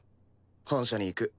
本社に行く。